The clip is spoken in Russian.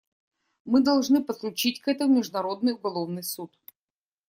Мы должны подключить к этому Международный уголовный суд.